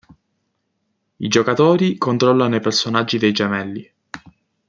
I giocatori controllano i personaggi dei gemelli.